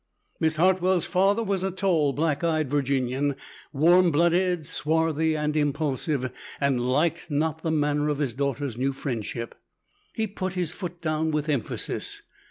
Miss Hartwell's father was a tall black eyed Virginian, warm blooded, swarthy, and impulsive, and liked not the manner of his daughter's new friendship. He put his foot down with emphasis.